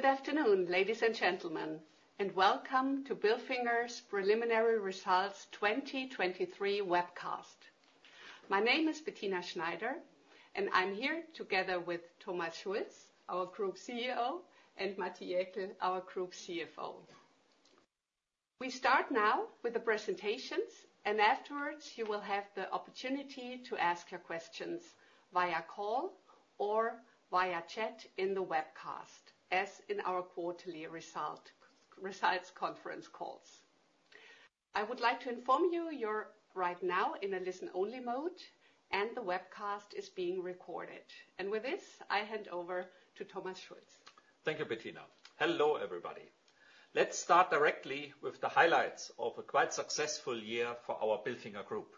Good afternoon, ladies and gentlemen, and welcome to Bilfinger's Preliminary Results 2023 webcast. My name is Bettina Schneider, and I'm here together with Thomas Schulz, our Group CEO, and Matti Jäkel, our Group CFO. We start now with the presentations, and afterwards you will have the opportunity to ask your questions via call or via chat in the webcast, as in our quarterly results conference calls. I would like to inform you you're right now in a listen-only mode, and the webcast is being recorded. With this, I hand over to Thomas Schulz. Thank you, Bettina. Hello, everybody. Let's start directly with the highlights of a quite successful year for our Bilfinger Group.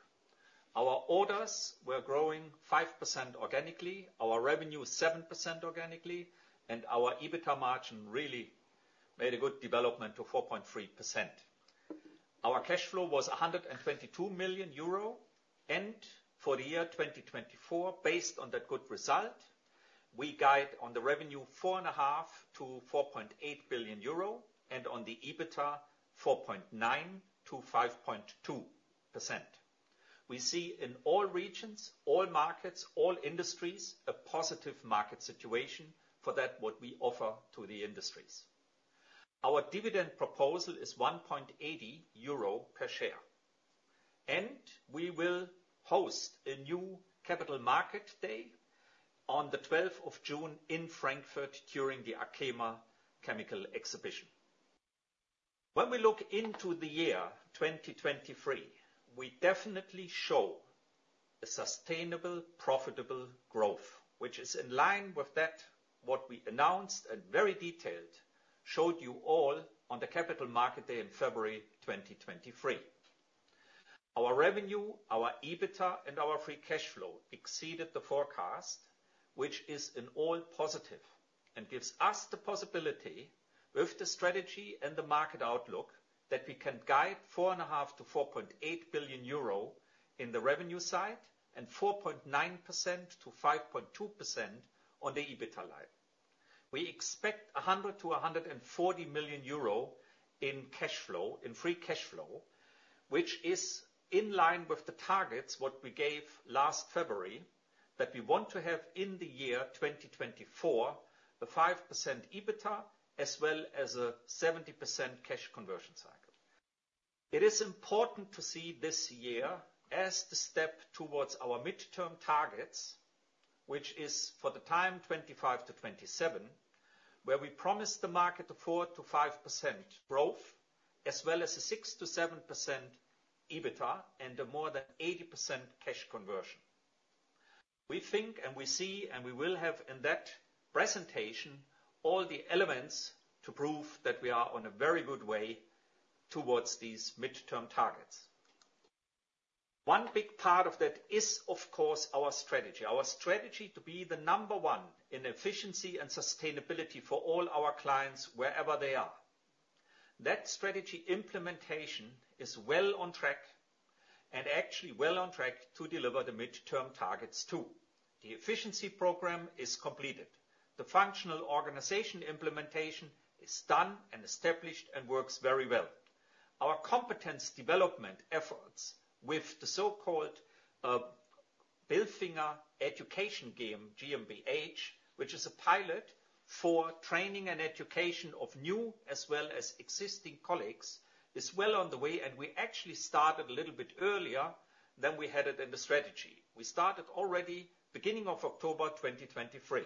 Our orders were growing 5% organically, our revenue 7% organically, and our EBITDA margin really made a good development to 4.3%. Our cash flow was 122 million euro, and for the year 2024, based on that good result, we guide on the revenue 4.5 billion-4.8 billion euro and on the EBITDA 4.9%-5.2%. We see in all regions, all markets, all industries a positive market situation for what we offer to the industries. Our dividend proposal is 1.80 euro per share, and we will host a new Capital Market Day on the 12th of June in Frankfurt during the ACHEMA Chemical Exhibition. When we look into the year 2023, we definitely show a sustainable, profitable growth, which is in line with what we announced and very detailed showed you all on the Capital Market Day in February 2023. Our revenue, our EBITDA, and our free cash flow exceeded the forecast, which is in all positive and gives us the possibility, with the strategy and the market outlook, that we can guide 4.5 billion-4.8 billion euro in the revenue side and 4.9%-5.2% on the EBITDA line. We expect 100 million-140 million euro in cash flow, in free cash flow, which is in line with the targets what we gave last February that we want to have in the year 2024, a 5% EBITDA as well as a 70% cash conversion cycle. It is important to see this year as the step towards our midterm targets, which is for the time 2025-2027, where we promised the market 4%-5% growth as well as 6%-7% EBITDA and more than 80% cash conversion. We think and we see and we will have in that presentation all the elements to prove that we are on a very good way towards these midterm targets. One big part of that is, of course, our strategy, our strategy to be the number one in efficiency and sustainability for all our clients wherever they are. That strategy implementation is well on track and actually well on track to deliver the midterm targets too. The efficiency program is completed. The functional organization implementation is done and established and works very well. Our competence development efforts with the so-called Bilfinger Education Game, GmbH, which is a pilot for training and education of new as well as existing colleagues, is well on the way, and we actually started a little bit earlier than we had it in the strategy. We started already beginning of October 2023.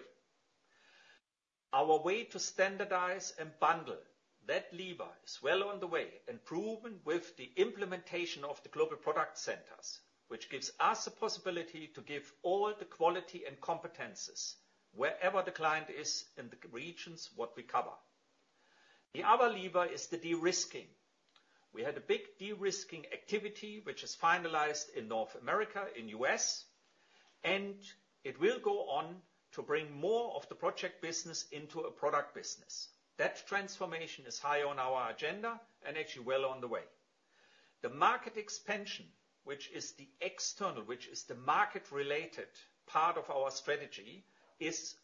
Our way to standardize and bundle that lever is well on the way and proven with the implementation of the Global Product Centers, which gives us the possibility to give all the quality and competences wherever the client is in the regions what we cover. The other lever is the de-risking. We had a big de-risking activity which is finalized in North America, in the U.S., and it will go on to bring more of the project business into a product business. That transformation is high on our agenda and actually well on the way. The market expansion, which is the external, which is the market-related part of our strategy,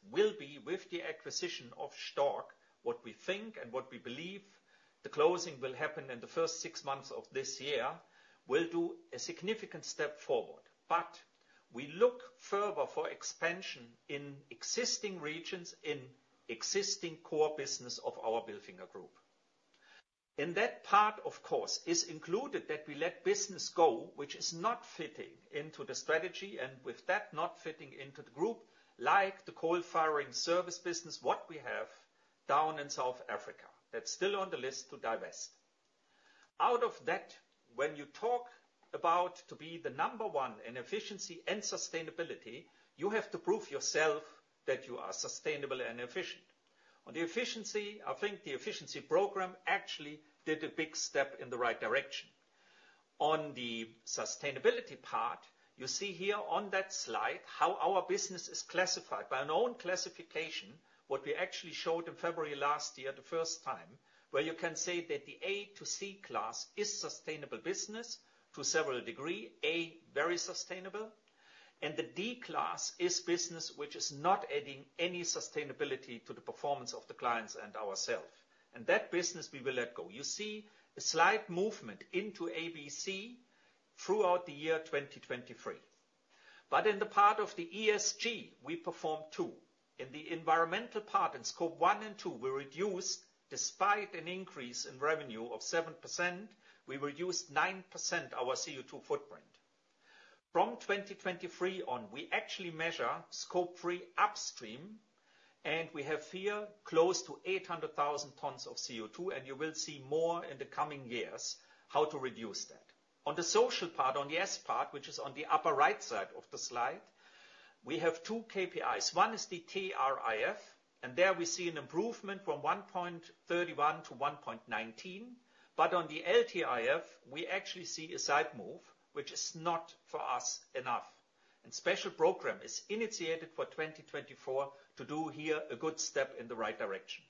will be with the acquisition of Stork, what we think and what we believe the closing will happen in the first six months of this year, will do a significant step forward. But we look further for expansion in existing regions in existing core business of our Bilfinger Group. In that part, of course, is included that we let business go, which is not fitting into the strategy, and with that not fitting into the group, like the coal-firing service business what we have down in South Africa. That's still on the list to divest. Out of that, when you talk about to be the number one in efficiency and sustainability, you have to prove yourself that you are sustainable and efficient. On the efficiency, I think the efficiency program actually did a big step in the right direction. On the sustainability part, you see here on that slide how our business is classified by an own classification, what we actually showed in February last year the first time, where you can say that the A-C class is sustainable business to several degree, A, very sustainable, and the D class is business which is not adding any sustainability to the performance of the clients and ourselves. And that business, we will let go. You see a slight movement into A, B, C throughout the year 2023. But in the part of the ESG, we performed too. In the environmental part, in Scope 1 and 2, we reduced, despite an increase in revenue of 7%, we reduced 9% our CO2 footprint. From 2023 on, we actually measure Scope 3 upstream, and we have here close to 800,000 tons of CO2, and you will see more in the coming years how to reduce that. On the social part, on the S part, which is on the upper right side of the slide, we have two KPIs. One is the TRIF, and there we see an improvement from 1.31-1.19. But on the LTIF, we actually see a side move, which is not for us enough. And special program is initiated for 2024 to do here a good step in the right direction.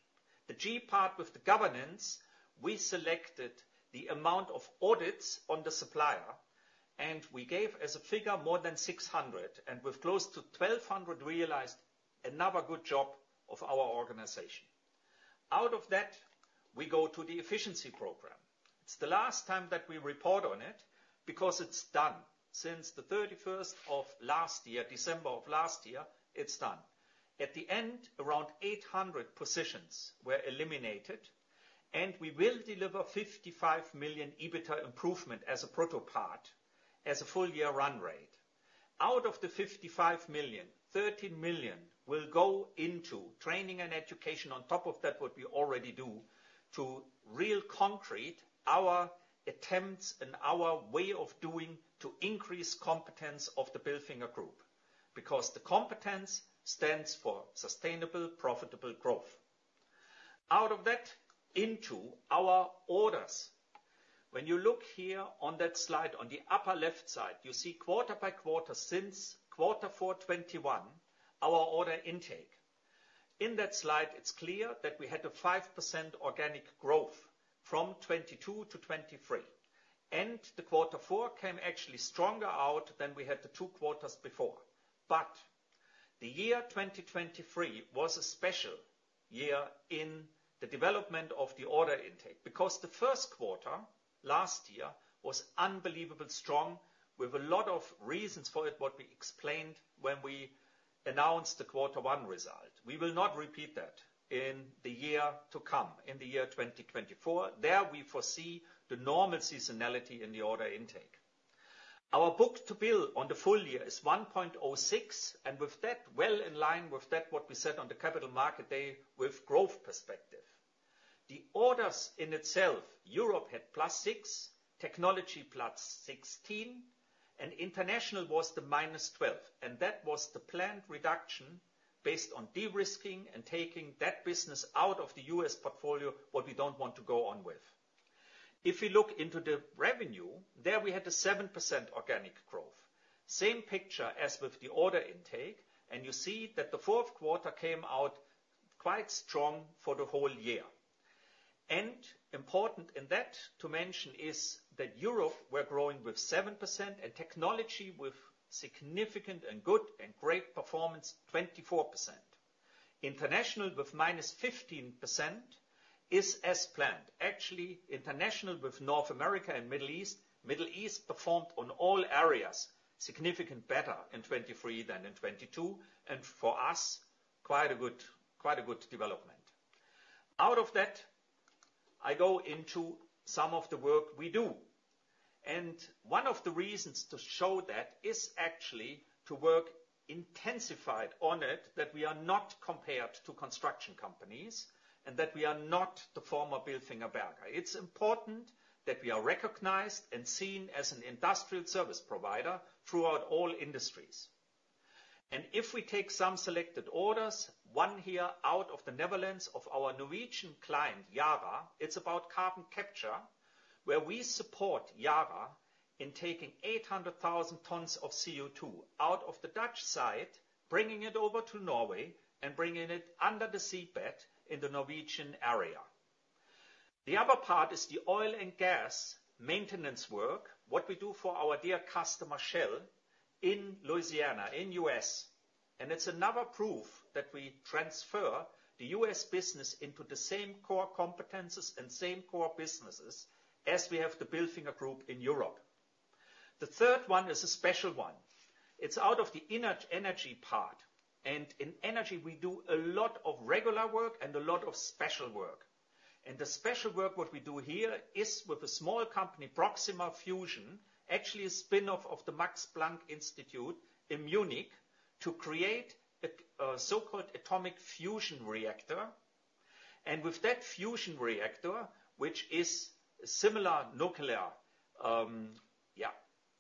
The G part with the governance, we selected the amount of audits on the supplier, and we gave as a figure more than 600, and with close to 1,200 realized another good job of our organization. Out of that, we go to the efficiency program. It's the last time that we report on it because it's done. Since the 31st of last year, December of last year, it's done. At the end, around 800 positions were eliminated, and we will deliver 55 million EBITDA improvement as part of a full-year run rate. Out of the 55 million, 13 million will go into training and education on top of that what we already do to really concretize our attempts and our way of doing to increase competence of the Bilfinger Group because the competence stands for sustainable, profitable growth. Out of that, into our orders. When you look here on that slide, on the upper left side, you see quarter by quarter since quarter four 2021, our order intake. In that slide, it's clear that we had a 5% organic growth from 2022 to 2023, and the quarter four came actually stronger out than we had the two quarters before. But the year 2023 was a special year in the development of the order intake because the first quarter last year was unbelievably strong, with a lot of reasons for it what we explained when we announced the quarter one result. We will not repeat that in the year to come, in the year 2024. There, we foresee the normal seasonality in the order intake. Our Book to Bill on the full year is 1.06, and with that, well in line with that what we said on the Capital Market Day with growth perspective. The orders in itself, Europe had +6%, technology +16%, and international was the -12%. And that was the planned reduction based on de-risking and taking that business out of the U.S. portfolio, what we don't want to go on with. If we look into the revenue, there, we had a 7% organic growth. Same picture as with the order intake, and you see that the fourth quarter came out quite strong for the whole year. And important in that to mention is that Europe were growing with 7% and technology with significant and good and great performance, 24%. International with -15% is as planned. Actually, international with North America and Middle East, Middle East performed on all areas significantly better in 2023 than in 2022, and for us, quite a good development. Out of that, I go into some of the work we do. One of the reasons to show that is actually to work intensified on it, that we are not compared to construction companies and that we are not the former Bilfinger Berger. It's important that we are recognized and seen as an industrial service provider throughout all industries. If we take some selected orders, one here out of the Netherlands of our Norwegian client, Yara, it's about carbon capture, where we support Yara in taking 800,000 tons of CO2 out of the Dutch side, bringing it over to Norway and bringing it under the seabed in the Norwegian area. The other part is the oil and gas maintenance work, what we do for our dear customer, Shell, in Louisiana, in the U.S. It's another proof that we transfer the U.S. business into the same core competences and same core businesses as we have the Bilfinger Group in Europe. The third one is a special one. It's out of the inner energy part. In energy, we do a lot of regular work and a lot of special work. The special work what we do here is with a small company, Proxima Fusion, actually a spin-off of the Max Planck Institute in Munich, to create a so-called atomic fusion reactor. With that fusion reactor, which is a similar nuclear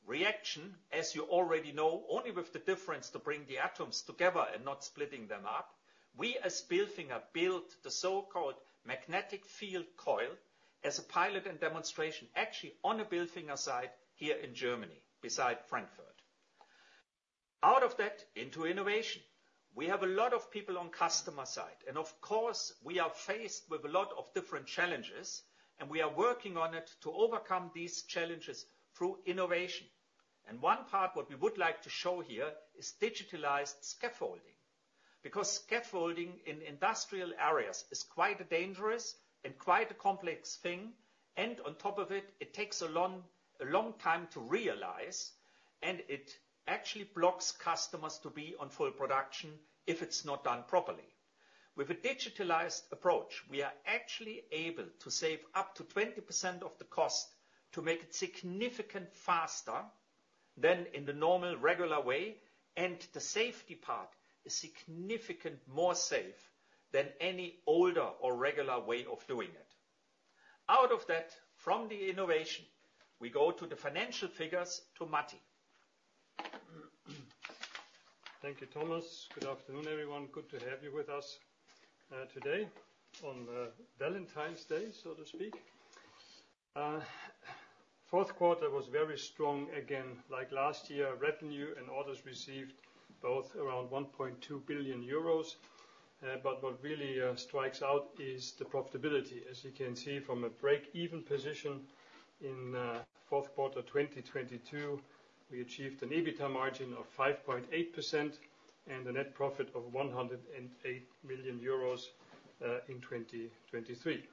reaction, as you already know, only with the difference to bring the atoms together and not splitting them up, we as Bilfinger built the so-called magnetic field coil as a pilot and demonstration, actually on the Bilfinger side here in Germany, beside Frankfurt. Out of that, into innovation. We have a lot of people on the customer side. And of course, we are faced with a lot of different challenges, and we are working on it to overcome these challenges through innovation. And one part what we would like to show here is digitalized scaffolding because scaffolding in industrial areas is quite a dangerous and quite a complex thing. And on top of it, it takes a long time to realize, and it actually blocks customers to be on full production if it's not done properly. With a digitalized approach, we are actually able to save up to 20% of the cost to make it significantly faster than in the normal regular way. And the safety part is significantly more safe than any older or regular way of doing it. Out of that, from the innovation, we go to the financial figures to Matti. Thank you, Thomas. Good afternoon, everyone. Good to have you with us today on Valentine's Day, so to speak. Fourth quarter was very strong again, like last year. Revenue and orders received both around 1.2 billion euros. But what really strikes out is the profitability. As you can see from a break-even position in fourth quarter 2022, we achieved an EBITDA margin of 5.8% and a net profit of 108 million euros in 2023.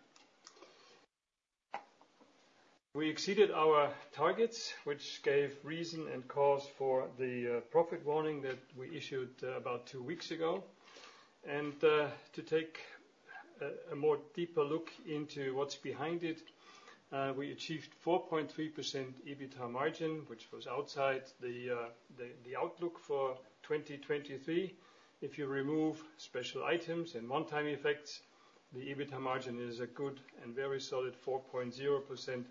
We exceeded our targets, which gave reason and cause for the profit warning that we issued about two weeks ago. And to take a more deeper look into what's behind it, we achieved 4.3% EBITDA margin, which was outside the outlook for 2023. If you remove special items and one-time effects, the EBITDA margin is a good and very solid 4.0%,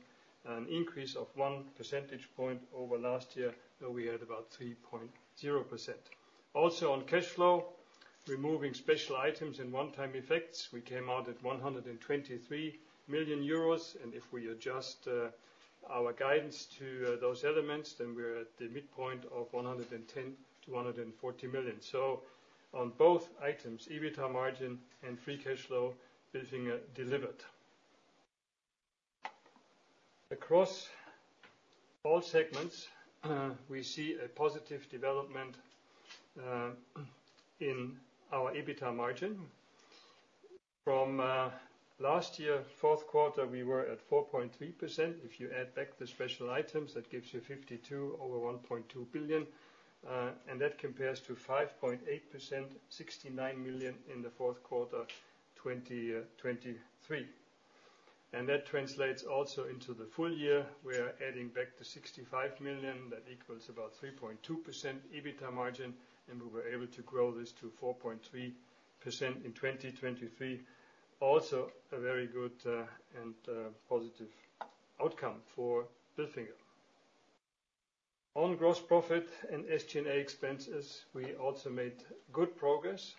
an increase of one percentage point over last year, though we had about 3.0%. On cash flow, removing special items and one-time effects, we came out at 123 million euros. If we adjust our guidance to those elements, then we're at the midpoint of 110 million-140 million. On both items, EBITDA margin and free cash flow, Bilfinger delivered. Across all segments, we see a positive development in our EBITDA margin. From last year, fourth quarter, we were at 4.3%. If you add back the special items, that gives you 52 million over 1.2 billion. And that compares to 5.8%, 69 million in the fourth quarter 2023. And that translates also into the full year. We are adding back the 65 million. That equals about 3.2% EBITDA margin. And we were able to grow this to 4.3% in 2023, also a very good and positive outcome for Bilfinger. On gross profit and SG&A expenses, we also made good progress.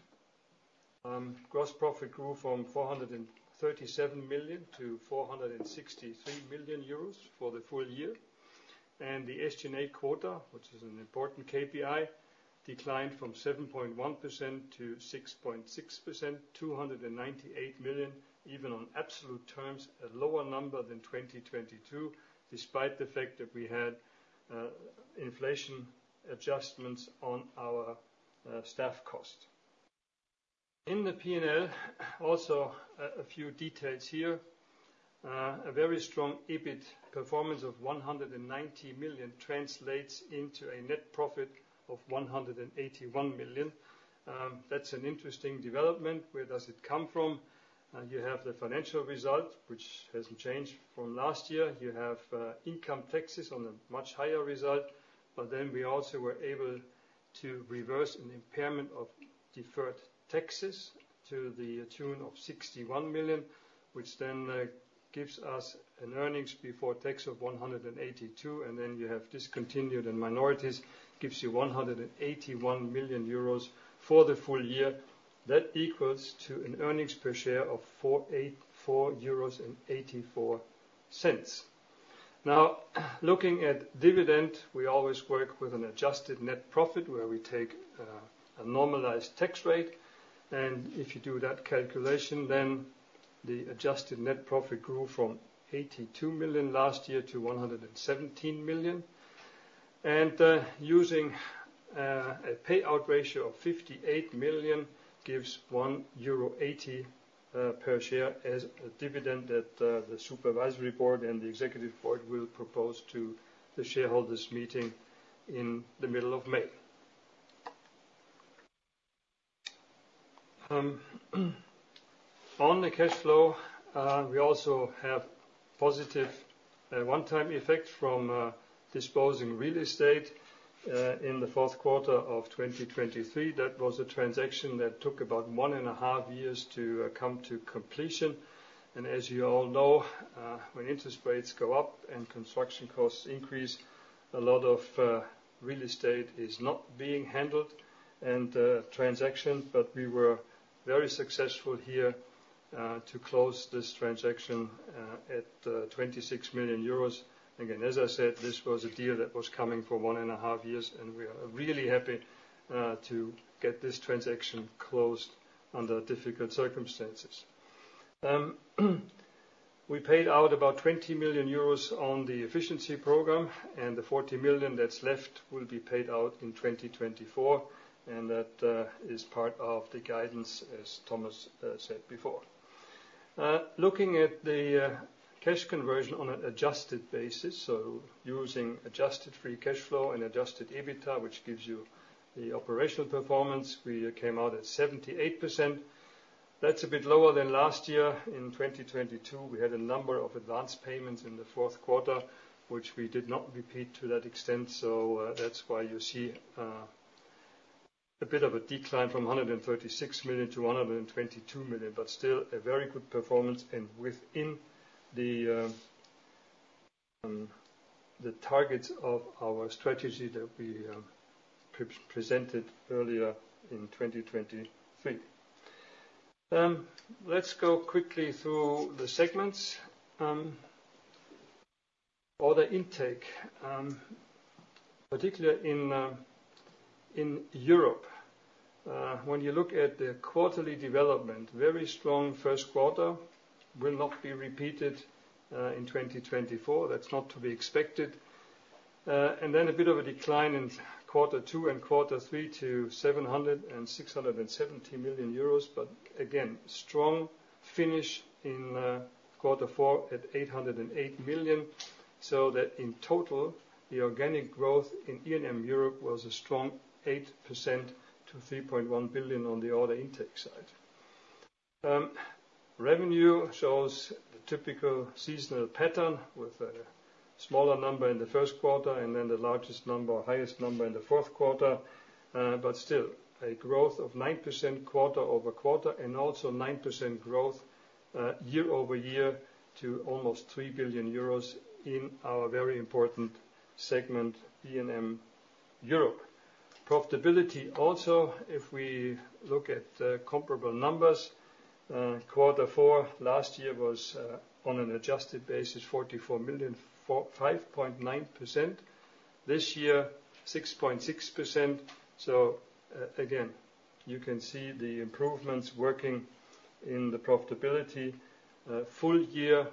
Gross profit grew from 437 million to 463 million euros for the full year. The SG&A quarter, which is an important KPI, declined from 7.1%-6.6%, 298 million, even on absolute terms, a lower number than 2022, despite the fact that we had inflation adjustments on our staff cost. In the P&L, also a few details here. A very strong EBIT performance of 190 million translates into a net profit of 181 million. That's an interesting development. Where does it come from? You have the financial result, which hasn't changed from last year. You have income taxes on a much higher result. But then we also were able to reverse an impairment of deferred taxes to the tune of 61 million, which then gives us an earnings before tax of 182. And then you have discontinued and minorities, gives you 181 million euros for the full year. That equals to an earnings per share of 4.84 euros. Now, looking at dividend, we always work with an adjusted net profit where we take a normalized tax rate. And if you do that calculation, then the adjusted net profit grew from 82 million last year to 117 million. And using a payout ratio of 58 million gives 1.80 euro per share as a dividend that the supervisory board and the executive board will propose to the shareholders' meeting in the middle of May. On the cash flow, we also have positive one-time effect from disposing real estate in the fourth quarter of 2023. That was a transaction that took about 1.5 years to come to completion. And as you all know, when interest rates go up and construction costs increase, a lot of real estate is not being handled and transactioned. But we were very successful here to close this transaction at EUR 26 million. Again, as I said, this was a deal that was coming for 1.5 years. We are really happy to get this transaction closed under difficult circumstances. We paid out about 20 million euros on the efficiency program. The 40 million that's left will be paid out in 2024. That is part of the guidance, as Thomas said before. Looking at the cash conversion on an adjusted basis, so using adjusted free cash flow and adjusted EBITDA, which gives you the operational performance, we came out at 78%. That's a bit lower than last year. In 2022, we had a number of advance payments in the fourth quarter, which we did not repeat to that extent. So that's why you see a bit of a decline from 136 million to 122 million, but still a very good performance and within the targets of our strategy that we presented earlier in 2023. Let's go quickly through the segments. Order intake, particularly in Europe. When you look at the quarterly development, very strong first quarter, will not be repeated in 2024. That's not to be expected. And then a bit of a decline in quarter two and quarter three to EUR 700 million and 670 million. But again, strong finish in quarter four at EUR 808 million. So that, in total, the organic growth in E&M Europe was a strong 8% to 3.1 billion on the order intake side. Revenue shows the typical seasonal pattern with a smaller number in the first quarter and then the largest number, highest number in the fourth quarter. But still, a growth of 9% quarter-over-quarter and also 9% growth year-over-year to almost 3 billion euros in our very important segment, E&M Europe. Profitability also, if we look at comparable numbers, quarter four last year was on an adjusted basis, 44 million, 5.9%. This year, 6.6%. So again, you can see the improvements working in the profitability. Full year,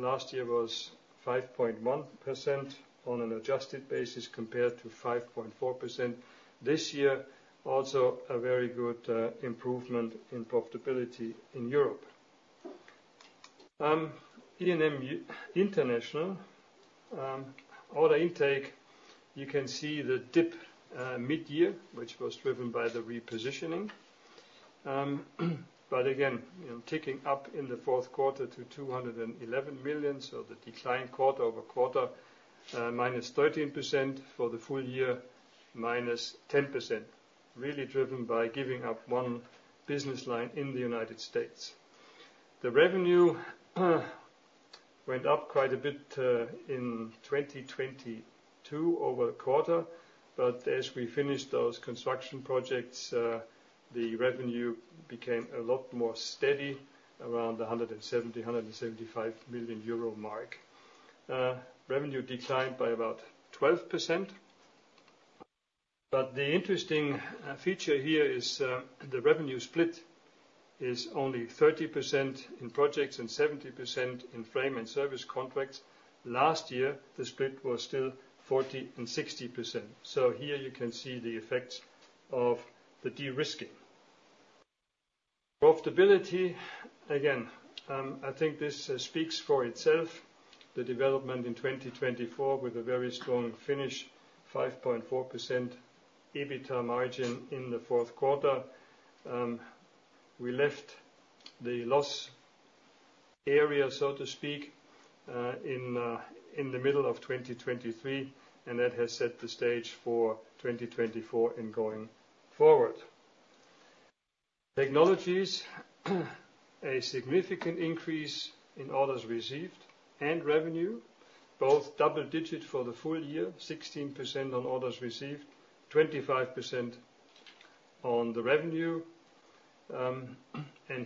last year was 5.1% on an adjusted basis compared to 5.4%. This year, also a very good improvement in profitability in Europe. E&M International, order intake, you can see the dip mid-year, which was driven by the repositioning. But again, ticking up in the fourth quarter to 211 million. So the decline quarter-over-quarter, -13% for the full year, -10%, really driven by giving up one business line in the United States. The revenue went up quite a bit in 2022 over a quarter. But as we finished those construction projects, the revenue became a lot more steady, around the 170-175 million euro mark. Revenue declined by about 12%. But the interesting feature here is the revenue split is only 30% in projects and 70% in frame and service contracts. Last year, the split was still 40%-60%. So here, you can see the effects of the de-risking. Profitability, again, I think this speaks for itself. The development in 2024 with a very strong finish, 5.4% EBITDA margin in the fourth quarter. We left the loss area, so to speak, in the middle of 2023. And that has set the stage for 2024 and going forward. Technologies, a significant increase in orders received and revenue, both double-digit for the full year, 16% on orders received, 25% on the revenue.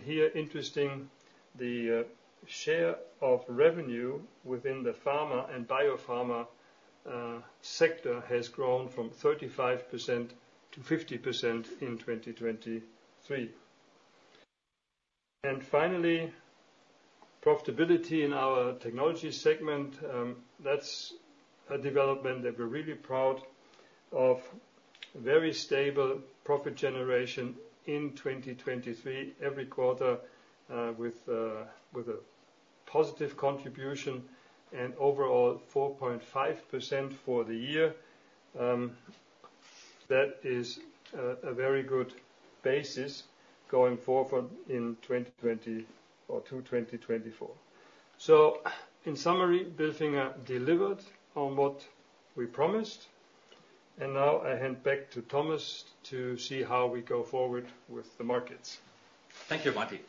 Here, interesting, the share of revenue within the pharma and biopharma sector has grown from 35%-50% in 2023. Finally, profitability in our technology segment, that's a development that we're really proud of, very stable profit generation in 2023 every quarter with a positive contribution and overall 4.5% for the year. That is a very good basis going forward in 2020 or 2024. In summary, Bilfinger delivered on what we promised. Now, I hand back to Thomas to see how we go forward with the markets. Thank you, Matti.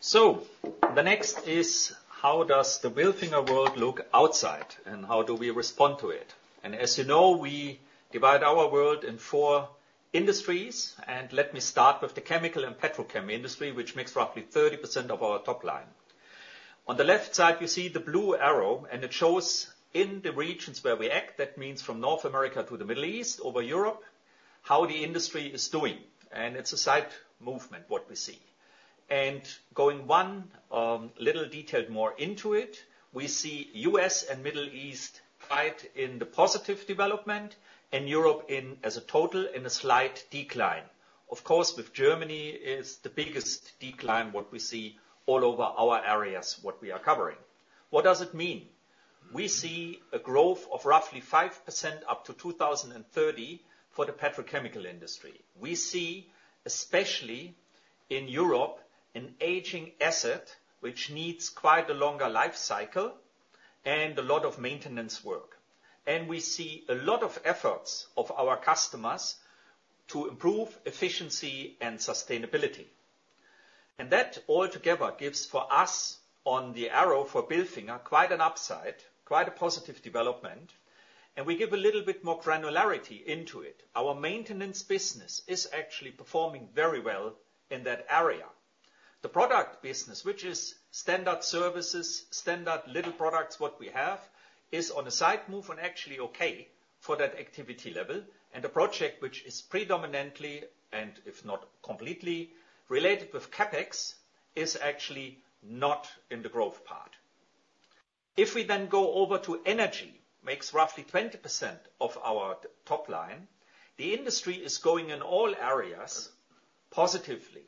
So the next is, how does the Bilfinger world look outside? And how do we respond to it? And as you know, we divide our world in four industries. Let me start with the chemical and petrochem industry, which makes roughly 30% of our top line. On the left side, you see the blue arrow. It shows, in the regions where we act, that means from North America to the Middle East over Europe, how the industry is doing. It's a side movement, what we see. Going one little detail more into it, we see U.S. and Middle East right in the positive development and Europe as a total in a slight decline. Of course, with Germany is the biggest decline what we see all over our areas, what we are covering. What does it mean? We see a growth of roughly 5% up to 2030 for the petrochemical industry. We see, especially in Europe, an aging asset, which needs quite a longer life cycle and a lot of maintenance work. And we see a lot of efforts of our customers to improve efficiency and sustainability. And that altogether gives for us on the arrow for Bilfinger quite an upside, quite a positive development. And we give a little bit more granularity into it. Our maintenance business is actually performing very well in that area. The product business, which is standard services, standard little products, what we have, is on a side move and actually okay for that activity level. And the project, which is predominantly, and if not completely, related with CapEx, is actually not in the growth part. If we then go over to energy, makes roughly 20% of our top line, the industry is going in all areas positively.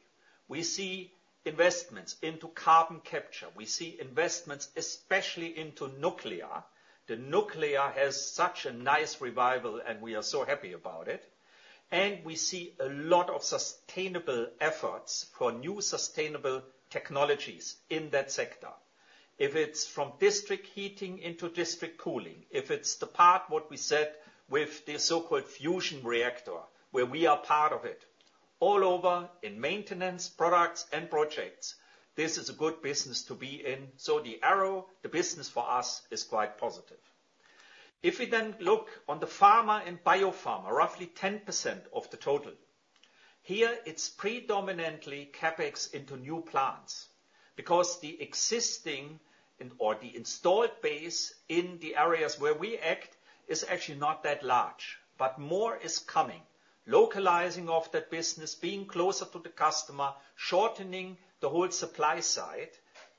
We see investments into carbon capture. We see investments, especially into nuclear. The nuclear has such a nice revival. And we are so happy about it. And we see a lot of sustainable efforts for new sustainable technologies in that sector. If it's from district heating into district cooling, if it's the part, what we said, with the so-called fusion reactor where we are part of it, all over in maintenance products and projects, this is a good business to be in. So the arrow, the business for us, is quite positive. If we then look on the pharma and biopharma, roughly 10% of the total, here, it's predominantly CapEx into new plants because the existing or the installed base in the areas where we act is actually not that large. More is coming. Localizing of that business, being closer to the customer, shortening the whole supply side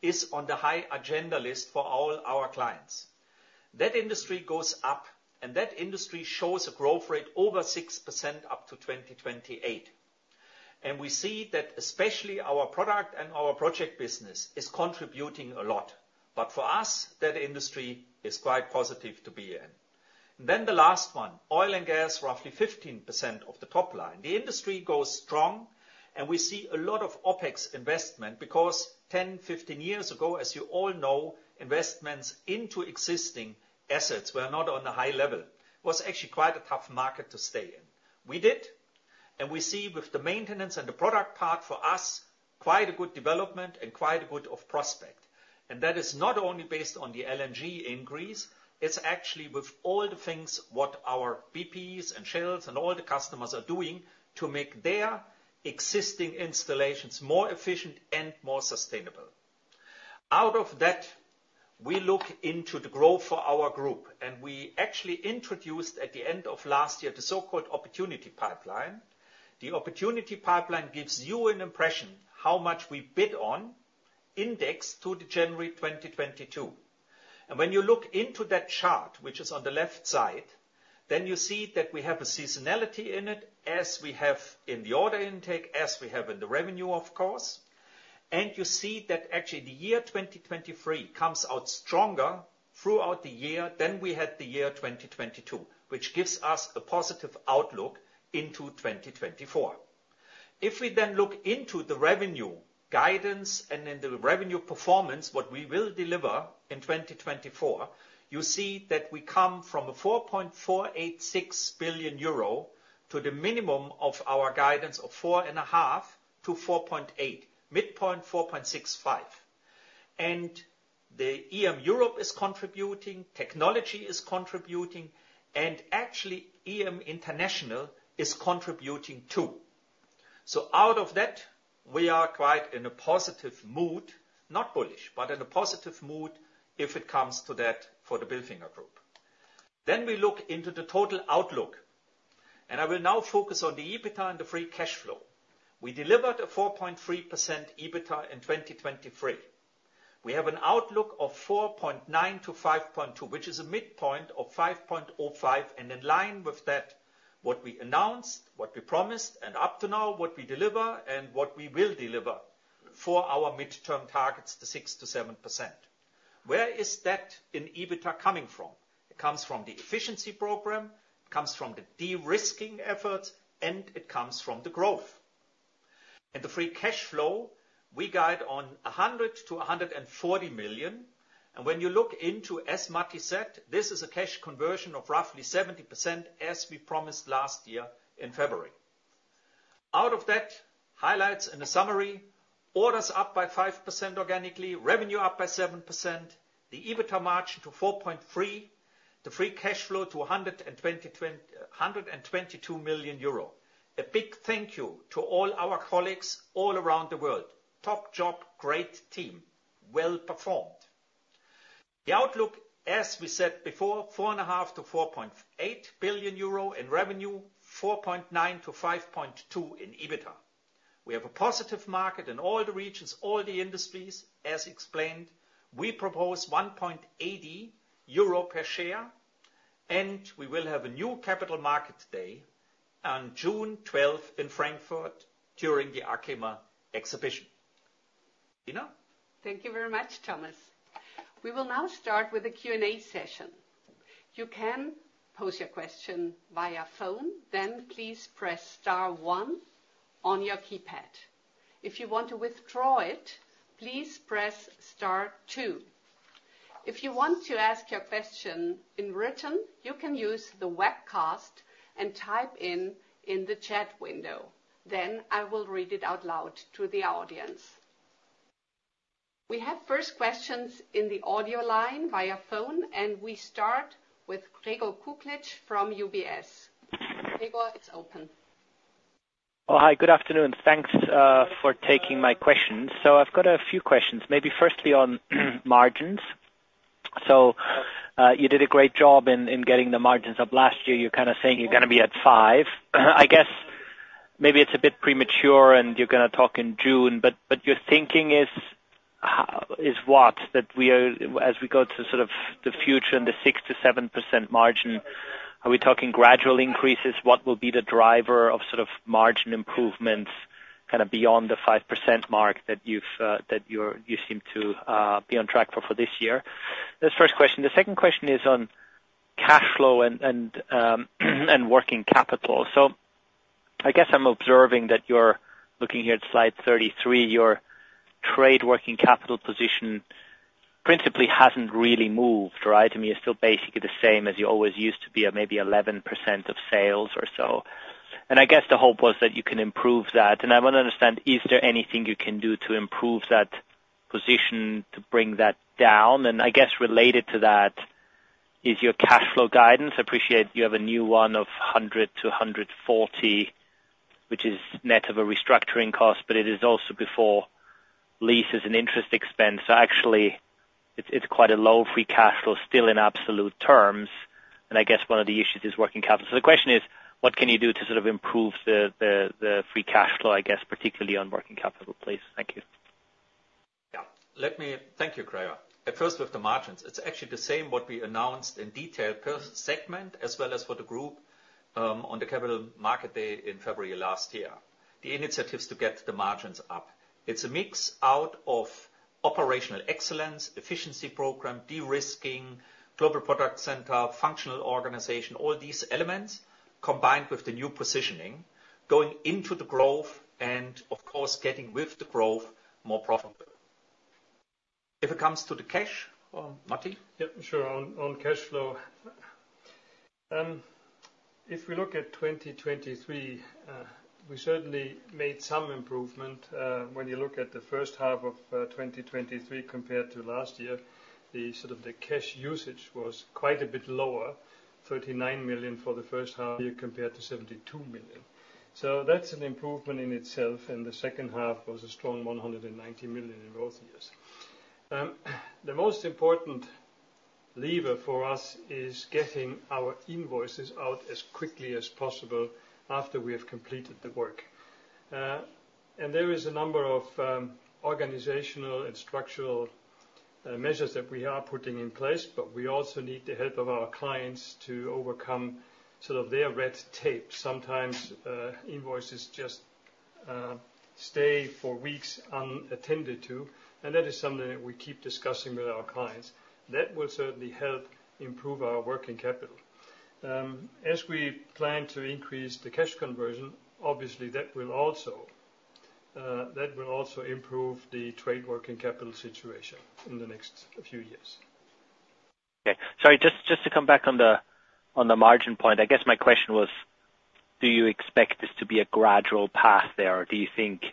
is on the high agenda list for all our clients. That industry goes up. That industry shows a growth rate over 6% up to 2028. We see that, especially our product and our project business, is contributing a lot. For us, that industry is quite positive to be in. Then the last one, oil and gas, roughly 15% of the top line. The industry goes strong. We see a lot of OPEX investment because, 10, 15 years ago, as you all know, investments into existing assets were not on a high level, was actually quite a tough market to stay in. We did. We see, with the maintenance and the product part for us, quite a good development and quite a good prospect. That is not only based on the LNG increase. It's actually with all the things, what our BPs and Shells and all the customers are doing to make their existing installations more efficient and more sustainable. Out of that, we look into the growth for our group. We actually introduced, at the end of last year, the so-called opportunity pipeline. The opportunity pipeline gives you an impression how much we bid on indexed to January 2022. And when you look into that chart, which is on the left side, then you see that we have a seasonality in it, as we have in the order intake, as we have in the revenue, of course. And you see that, actually, the year 2023 comes out stronger throughout the year than we had the year 2022, which gives us a positive outlook into 2024. If we then look into the revenue guidance and in the revenue performance, what we will deliver in 2024, you see that we come from 4.486 billion euro to the minimum of our guidance of 4.5 billion-4.8 billion, midpoint 4.65 billion. And the E&M Europe is contributing. Technology is contributing. And actually, E&M International is contributing too. So out of that, we are quite in a positive mood, not bullish, but in a positive mood if it comes to that for the Bilfinger Group. Then we look into the total outlook. I will now focus on the EBITDA and the free cash flow. We delivered a 4.3% EBITDA in 2023. We have an outlook of 4.9%-5.2%, which is a midpoint of 5.05%. In line with that, what we announced, what we promised, and up to now, what we deliver and what we will deliver for our midterm targets, the 6%-7%. Where is that in EBITDA coming from? It comes from the efficiency program. It comes from the de-risking efforts. It comes from the growth. The free cash flow, we guide on 100 million-140 million. When you look into, as Matti said, this is a cash conversion of roughly 70%, as we promised last year in February. Out of that, highlights in a summary, orders up by 5% organically, revenue up by 7%, the EBITDA margin to 4.3%, the free cash flow to 122 million euro. A big thank you to all our colleagues all around the world. Top job, great team, well performed. The outlook, as we said before, 4.5 billion- 4.8 billion euro in revenue, 4.9-5.2 in EBITDA. We have a positive market in all the regions, all the industries. As explained, we propose 1.80 euro per share. And we will have a new capital market day on June 12 in Frankfurt during the ACHEMA exhibition. Dina? Thank you very much, Thomas. We will now start with a Q&A session. You can pose your question via phone. Then, please press star one on your keypad. If you want to withdraw it, please press star two. If you want to ask your question in written, you can use the webcast and type it in the chat window. Then, I will read it out loud to the audience. We have first questions in the audio line via phone. We start with Gregor Kuglitsch from UBS. Gregor, it's open. Oh, hi. Good afternoon. Thanks for taking my questions. So I've got a few questions, maybe firstly on margins. So you did a great job in getting the margins up last year. You're kind of saying you're going to be at five. I guess maybe it's a bit premature. And you're going to talk in June. But your thinking is what? That as we go to sort of the future and the 6%-7% margin, are we talking gradual increases? What will be the driver of sort of margin improvements kind of beyond the 5% mark that you seem to be on track for this year? That's the first question. The second question is on cash flow and working capital. So I guess I'm observing that you're looking here at slide 33. Your trade working capital position principally hasn't really moved, right? I mean, it's still basically the same as you always used to be, maybe 11% of sales or so. I guess the hope was that you can improve that. I want to understand, is there anything you can do to improve that position, to bring that down? I guess related to that is your cash flow guidance. I appreciate you have a new one of 100-140, which is net of a restructuring cost. But it is also before leases and interest expense. So actually, it's quite a low free cash flow still in absolute terms. I guess one of the issues is working capital. So the question is, what can you do to sort of improve the free cash flow, I guess, particularly on working capital? Please, thank you. Yeah. Thank you, Gregor. First, with the margins, it's actually the same what we announced in detail per segment as well as for the group on the Capital Market Day in February last year, the initiatives to get the margins up. It's a mix out of operational excellence, efficiency program, de-risking, global product center, functional organization, all these elements combined with the new positioning, going into the growth and, of course, getting with the growth more profitable. If it comes to the cash, Matti? Yeah, sure. On cash flow, if we look at 2023, we certainly made some improvement. When you look at the first half of 2023 compared to last year, sort of the cash usage was quite a bit lower, 39 million for the first half year compared to 72 million. So that's an improvement in itself. And the second half was a strong 190 million in both years. The most important lever for us is getting our invoices out as quickly as possible after we have completed the work. And there is a number of organizational and structural measures that we are putting in place. But we also need the help of our clients to overcome sort of their red tape. Sometimes, invoices just stay for weeks unattended to. And that is something that we keep discussing with our clients. That will certainly help improve our working capital. As we plan to increase the cash conversion, obviously, that will also improve the trade working capital situation in the next few years. Okay. Sorry, just to come back on the margin point, I guess my question was, do you expect this to be a gradual path there? Or do you think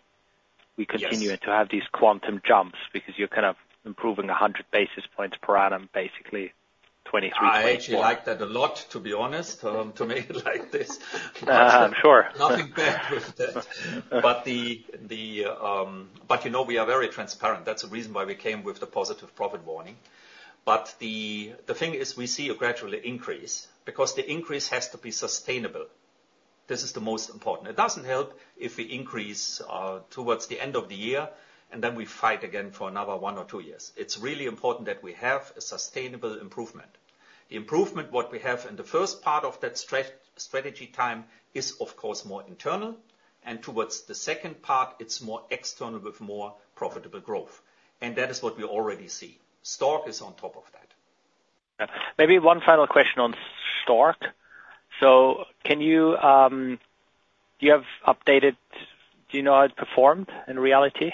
we continue to have these quantum jumps because you're kind of improving 100 basis points per annum, basically, 2023, 2024? I actually like that a lot, to be honest, to make it like this. Sure. Nothing bad with that. But you know we are very transparent. That's the reason why we came with the positive profit warning. But the thing is, we see a gradual increase because the increase has to be sustainable. This is the most important. It doesn't help if we increase towards the end of the year. And then, we fight again for another one or two years. It's really important that we have a sustainable improvement. The improvement, what we have in the first part of that strategy time is, of course, more internal. And towards the second part, it's more external with more profitable growth. And that is what we already see. Stork is on top of that. Maybe one final question on Stork. So, do you have updated? Do you know how it performed in reality?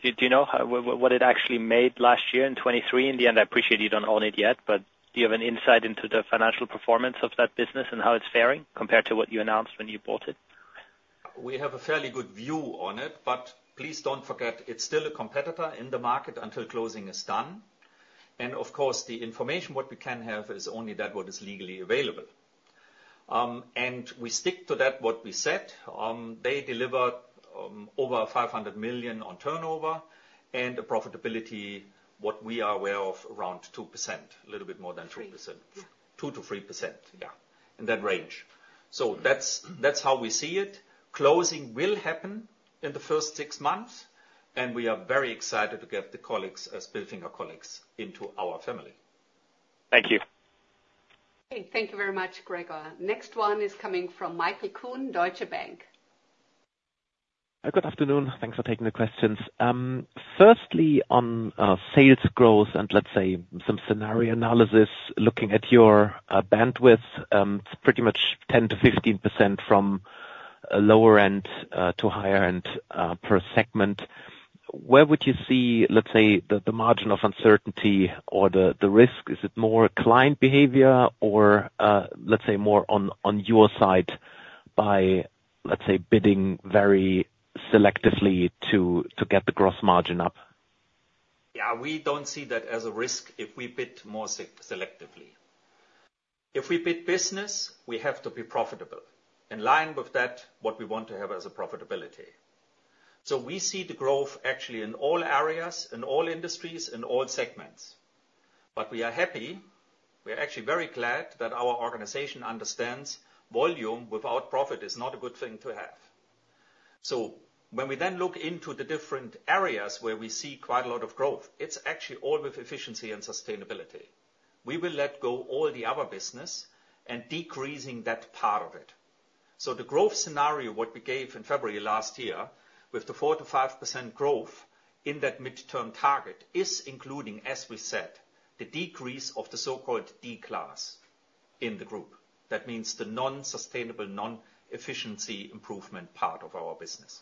Do you know what it actually made last year in 2023? In the end, I appreciate you don't own it yet. But do you have an insight into the financial performance of that business and how it's faring compared to what you announced when you bought it? We have a fairly good view on it. But please don't forget, it's still a competitor in the market until closing is done. And of course, the information what we can have is only that what is legally available. And we stick to that, what we said. They delivered over 500 million on turnover and a profitability, what we are aware of, around 2%, a little bit more than 2%, 2%-3%, yeah, in that range. So that's how we see it. Closing will happen in the first six months. And we are very excited to get the Bilfinger colleagues into our family. Thank you. Okay. Thank you very much, Gregor. Next one is coming from Michael Kuhn, Deutsche Bank. Good afternoon. Thanks for taking the questions. Firstly, on sales growth and, let's say, some scenario analysis, looking at your bandwidth, it's pretty much 10%-15% from lower end to higher end per segment. Where would you see, let's say, the margin of uncertainty or the risk? Is it more client behavior or, let's say, more on your side by, let's say, bidding very selectively to get the gross margin up? Yeah. We don't see that as a risk if we bid more selectively. If we bid business, we have to be profitable, in line with that, what we want to have as a profitability. So we see the growth, actually, in all areas, in all industries, in all segments. But we are happy. We are actually very glad that our organization understands volume without profit is not a good thing to have. So when we then look into the different areas where we see quite a lot of growth, it's actually all with efficiency and sustainability. We will let go all the other business and decrease that part of it. So the growth scenario, what we gave in February last year with the 4%-5% growth in that midterm target is including, as we said, the decrease of the so-called D-class in the group. That means the non-sustainable, non-efficiency improvement part of our business.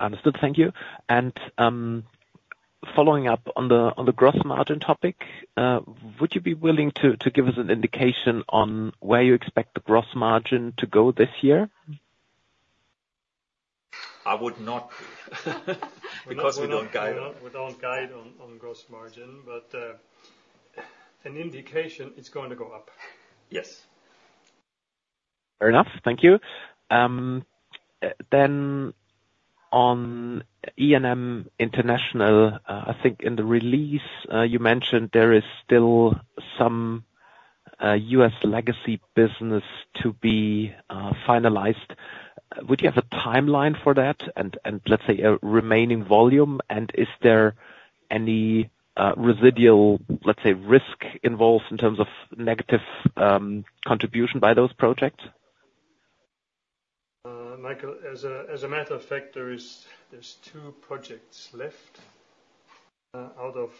Understood. Thank you. Following up on the gross margin topic, would you be willing to give us an indication on where you expect the gross margin to go this year? I would not because we don't guide on. We don't guide on gross margin. But an indication, it's going to go up. Yes. Fair enough. Thank you. Then on E&M International, I think in the release, you mentioned there is still some US legacy business to be finalized. Would you have a timeline for that and, let's say, a remaining volume? And is there any residual, let's say, risk involved in terms of negative contribution by those projects? Michael, as a matter of fact, there's two projects left out of,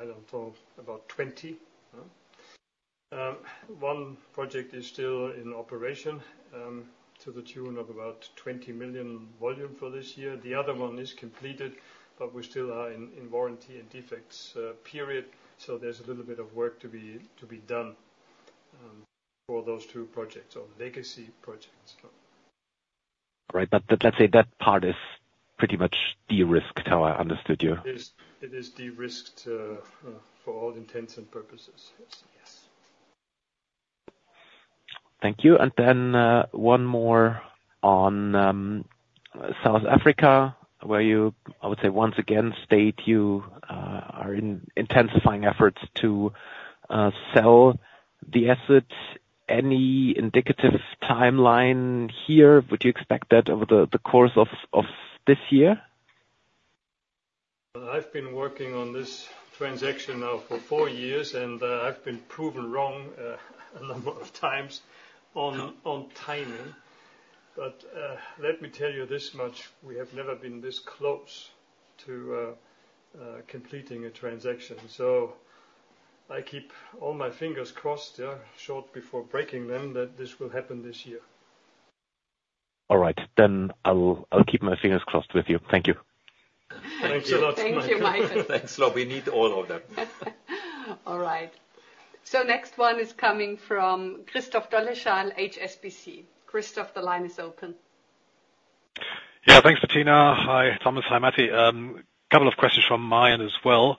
I don't know, about 20. One project is still in operation to the tune of about 20 million volume for this year. The other one is completed. But we still are in warranty and defects period. So there's a little bit of work to be done for those two projects or legacy projects. All right. But let's say that part is pretty much de-risked, how I understood you? It is de-risked for all intents and purposes. Yes. Thank you. And then one more on South Africa, where you, I would say, once again state you are intensifying efforts to sell the assets. Any indicative timeline here? Would you expect that over the course of this year? I've been working on this transaction now for four years. I've been proven wrong a number of times on timing. Let me tell you this much. We have never been this close to completing a transaction. I keep all my fingers crossed, short of breaking them, that this will happen this year. All right. Then I'll keep my fingers crossed with you. Thank you. Thank you a lot, Michael. Thank you, Michael. Thanks, Lobi. Need all of them. All right. So next one is coming from Christoph Dolleschal, HSBC. Christoph, the line is open. Yeah. Thanks, Bettina. Hi, Thomas. Hi, Matti. A couple of questions from my end as well.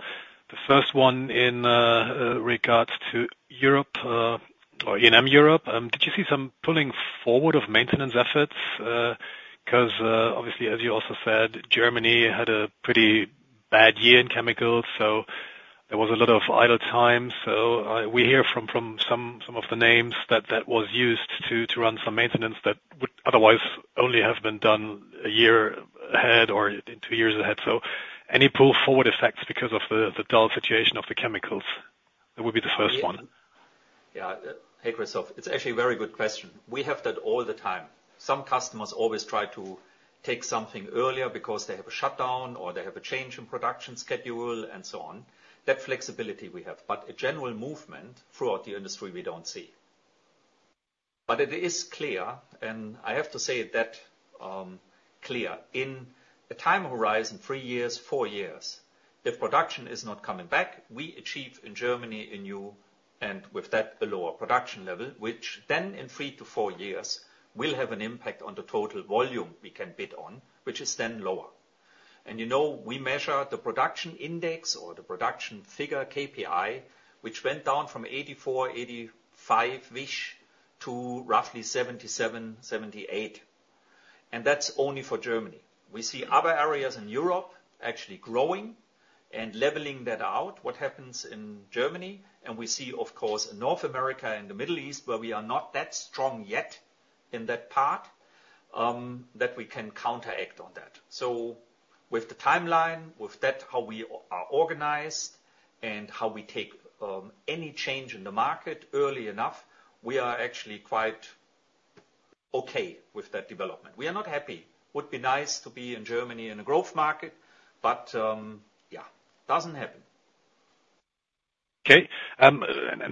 The first one in regards to Europe or E&M Europe. Did you see some pulling forward of maintenance efforts? Because obviously, as you also said, Germany had a pretty bad year in chemicals. So there was a lot of idle time. So we hear from some of the names that that was used to run some maintenance that would otherwise only have been done a year ahead or in two years ahead. So any pull forward effects because of the dull situation of the chemicals? That would be the first one. Yeah. Hey, Christoph, it's actually a very good question. We have that all the time. Some customers always try to take something earlier because they have a shutdown or they have a change in production schedule and so on. That flexibility, we have. But a general movement throughout the industry, we don't see. But it is clear and I have to say that clear. In a time horizon, three years, four years, if production is not coming back, we achieve in Germany a new and with that, a lower production level, which then, in three to four years, will have an impact on the total volume we can bid on, which is then lower. And you know we measure the production index or the production figure, KPI, which went down from 84, 85-ish to roughly 77, 78. And that's only for Germany. We see other areas in Europe actually growing and leveling that out, what happens in Germany. We see, of course, in North America and the Middle East, where we are not that strong yet in that part, that we can counteract on that. With the timeline, with that, how we are organized, and how we take any change in the market early enough, we are actually quite okay with that development. We are not happy. It would be nice to be in Germany in a growth market. Yeah, it doesn't happen. Okay.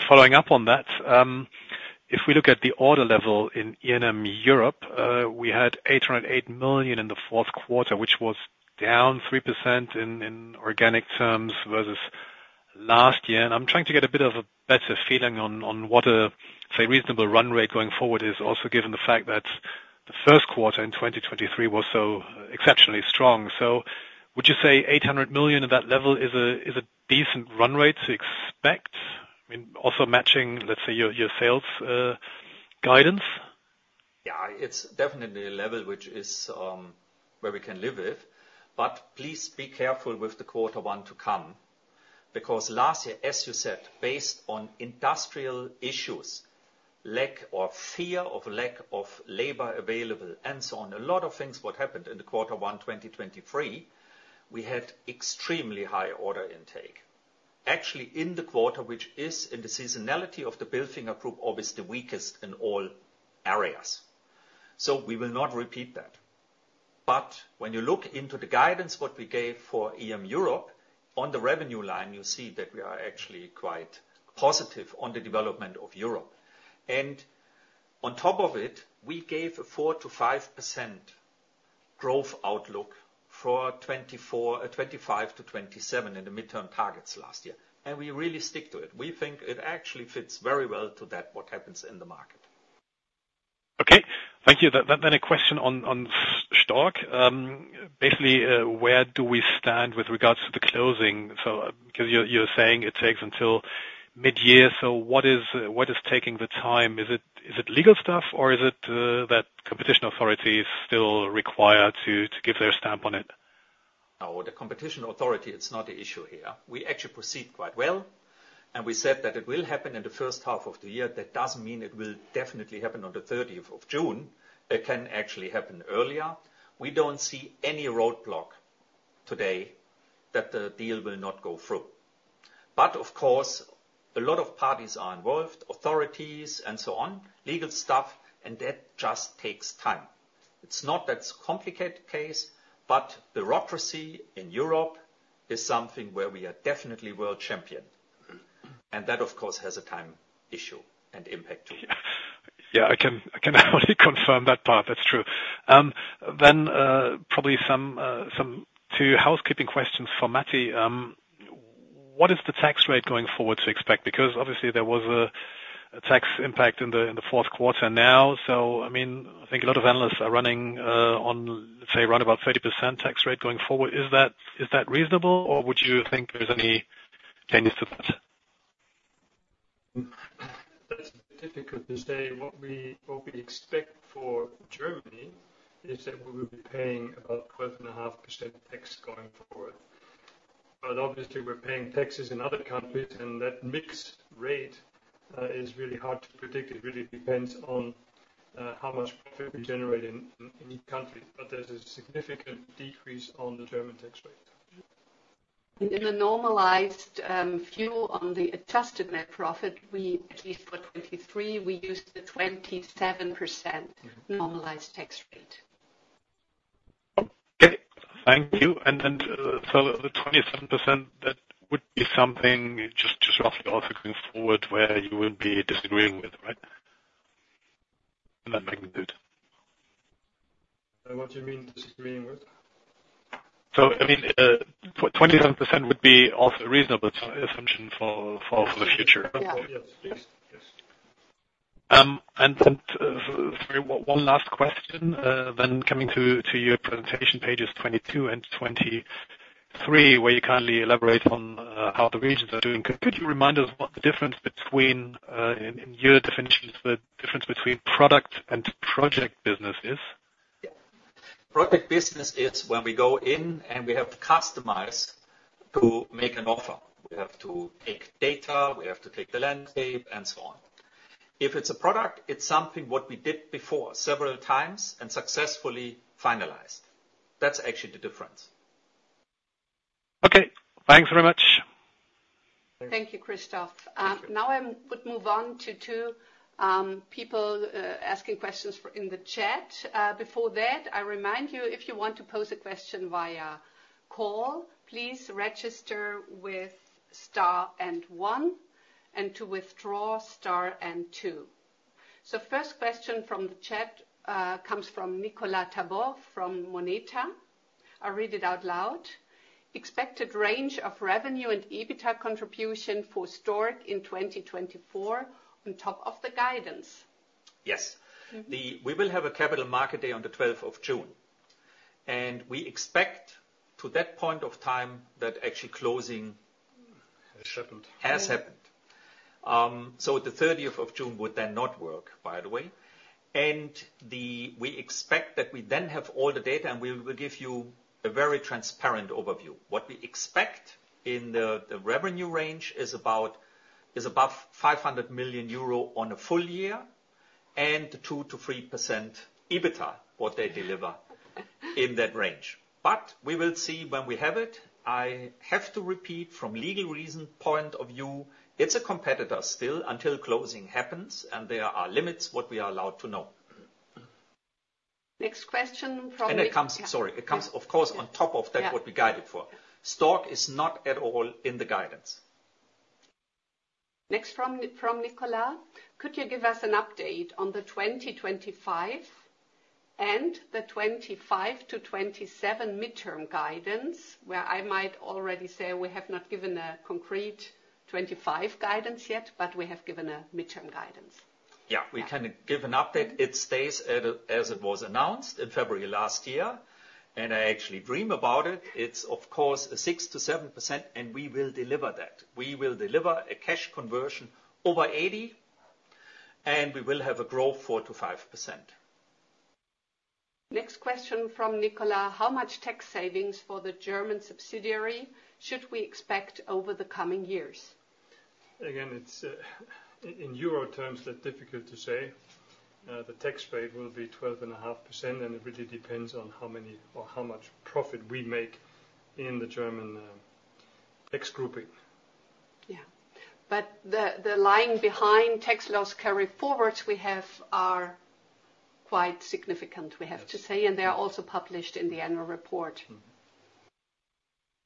Following up on that, if we look at the order level in E&M Europe, we had 808 million in the fourth quarter, which was down 3% in organic terms versus last year. I'm trying to get a bit of a better feeling on what a, say, reasonable run rate going forward is, also given the fact that the first quarter in 2023 was so exceptionally strong. Would you say 800 million at that level is a decent run rate to expect, also matching, let's say, your sales guidance? Yeah. It's definitely a level where we can live with. But please be careful with the quarter one to come because last year, as you said, based on industrial issues, lack or fear of lack of labor available and so on, a lot of things, what happened in the quarter one 2023, we had extremely high order intake, actually in the quarter which is, in the seasonality of the Bilfinger Group, obviously weakest in all areas. So we will not repeat that. But when you look into the guidance, what we gave for E&M Europe, on the revenue line, you see that we are actually quite positive on the development of Europe. And on top of it, we gave a 4%-5% growth outlook for 2025-2027 in the midterm targets last year. And we really stick to it. We think it actually fits very well to that, what happens in the market. Okay. Thank you. Then a question on Stork. Basically, where do we stand with regards to the closing? So because you're saying it takes until mid-year. So what is taking the time? Is it legal stuff? Or is it that competition authorities still require to give their stamp on it? Oh, the competition authority, it's not the issue here. We actually proceed quite well. We said that it will happen in the first half of the year. That doesn't mean it will definitely happen on the 30th of June. It can actually happen earlier. We don't see any roadblock today that the deal will not go through. Of course, a lot of parties are involved, authorities and so on, legal stuff. And that just takes time. It's not that complicated case. Bureaucracy in Europe is something where we are definitely world champion. And that, of course, has a time issue and impact too. Yeah. I can only confirm that part. That's true. Then probably two housekeeping questions for Matti. What is the tax rate going forward to expect? Because obviously, there was a tax impact in the fourth quarter now. So I mean, I think a lot of analysts are running on, let's say, around about 30% tax rate going forward. Is that reasonable? Or would you think there's any changes to that? That's difficult to say. What we expect for Germany is that we will be paying about 12.5% tax going forward. But obviously, we're paying taxes in other countries. And that mixed rate is really hard to predict. It really depends on how much profit we generate in each country. But there's a significant decrease on the German tax rate. In a normalized view on the adjusted net profit, at least for 2023, we used the 27% normalized tax rate. Okay. Thank you. And so the 27%, that would be something just roughly also going forward where you wouldn't be disagreeing with, right, in that magnitude? What do you mean disagreeing with? I mean, 27% would be also a reasonable assumption for the future. Yes. Yes. Yes. One last question then coming to your presentation pages 22 and 23, where you kindly elaborate on how the regions are doing. Could you remind us what the difference between in your definitions, the difference between product and project business is? Yeah. Project business is when we go in and we have to customize to make an offer. We have to take data. We have to take the landscape and so on. If it's a product, it's something what we did before several times and successfully finalized. That's actually the difference. Okay. Thanks very much. Thank you, Christoph. Now, I would move on to two people asking questions in the chat. Before that, I remind you, if you want to pose a question via call, please register with star and 1 and to withdraw star and 2. So first question from the chat comes from Nicolas Tabor from Moneta. I'll read it out loud. "Expected range of revenue and EBITDA contribution for Stork in 2024 on top of the guidance? Yes. We will have a Capital Market Day on the 12th of June. We expect at that point in time that actually closing has happened. So the 30th of June would then not work, by the way. We expect that we then have all the data. We will give you a very transparent overview. What we expect in the revenue range is above 500 million euro on a full year and 2%-3% EBITDA, what they deliver in that range. But we will see when we have it. I have to repeat, from legal reason point of view, it's a competitor still until closing happens. There are limits, what we are allowed to know. Next question probably. It comes, of course, on top of that, what we guided for. Stork is not at all in the guidance. Next from Nicolas. "Could you give us an update on the 2025 and the 2025-2027 midterm guidance?" Where I might already say we have not given a concrete 2025 guidance yet. But we have given a midterm guidance. Yeah. We can give an update. It stays as it was announced in February last year. And I actually dream about it. It's, of course, a 6%-7%. And we will deliver that. We will deliver a cash conversion over 80. And we will have a growth 4%-5%. Next question from Nicolas. "How much tax savings for the German subsidiary should we expect over the coming years?" Again, it's in euro terms, that's difficult to say. The tax rate will be 12.5%. It really depends on how many or how much profit we make in the German tax grouping. Yeah. But the line behind tax loss carried forwards we have are quite significant, we have to say. They are also published in the annual report.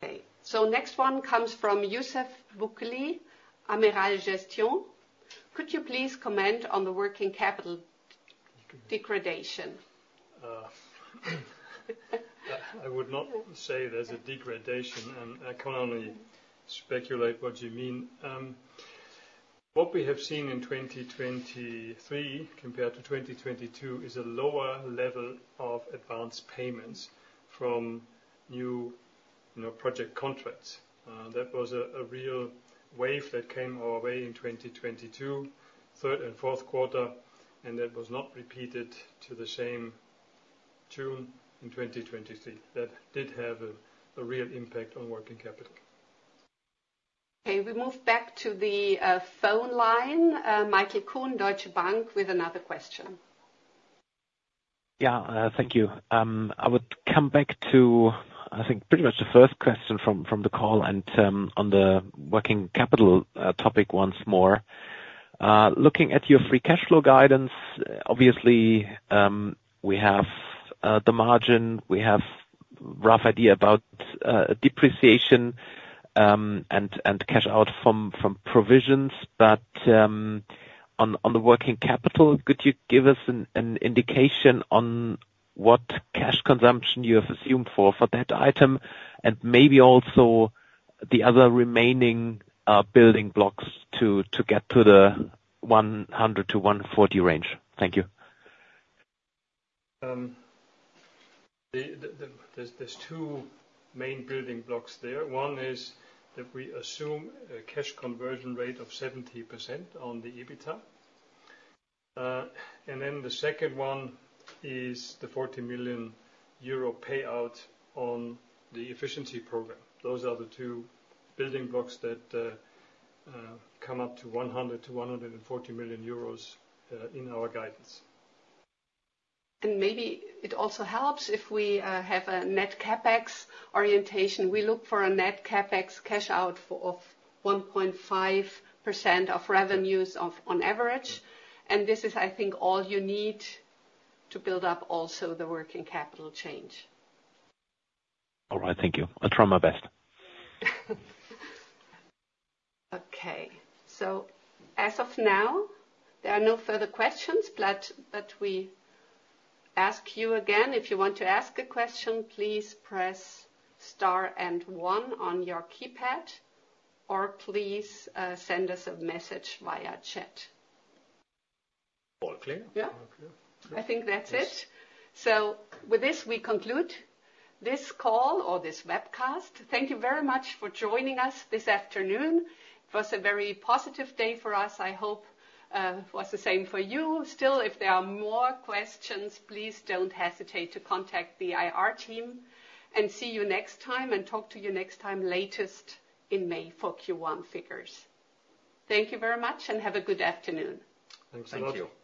Okay. Next one comes from Youssef Lboukili, Amiral Gestion. "Could you please comment on the working capital degradation?" I would not say there's a degradation. I can only speculate what you mean. What we have seen in 2023 compared to 2022 is a lower level of advance payments from new project contracts. That was a real wave that came our way in 2022, third and fourth quarter. That was not repeated to the same extent in 2023 that did have a real impact on working capital. Okay. We move back to the phone line. Michael Kuhn, Deutsche Bank, with another question. Yeah. Thank you. I would come back to, I think, pretty much the first question from the call and on the working capital topic once more. Looking at your free cash flow guidance, obviously, we have the margin. We have a rough idea about depreciation and cash out from provisions. But on the working capital, could you give us an indication on what cash consumption you have assumed for that item and maybe also the other remaining building blocks to get to the 100-140 range? Thank you. There's two main building blocks there. One is that we assume a cash conversion rate of 70% on the EBITDA. And then the second one is the 40 million euro payout on the efficiency program. Those are the two building blocks that come up to 100 million-140 million euros in our guidance. Maybe it also helps if we have a net CapEx orientation. We look for a net CapEx cash out of 1.5% of revenues on average. This is, I think, all you need to build up also the working capital change. All right. Thank you. I'll try my best. Okay. So as of now, there are no further questions. But we ask you again, if you want to ask a question, please press star and 1 on your keypad. Or please send us a message via chat. All clear. Yeah. I think that's it. So with this, we conclude this call or this webcast. Thank you very much for joining us this afternoon. It was a very positive day for us. I hope it was the same for you. Still, if there are more questions, please don't hesitate to contact the IR team. See you next time. Talk to you next time, at the latest in May for Q1 figures. Thank you very much. Have a good afternoon. Thanks a lot. Thank you.